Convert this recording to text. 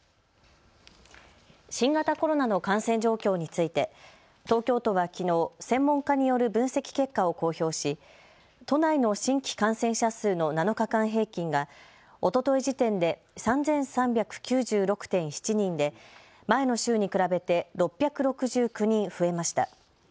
新型コロナの感染状況について東京都はきのう専門家による分析結果を公表し都内の新規感染者数の７日間平均が、おととい時点で３３９６．７人で前の週に比べて６６９人増えました。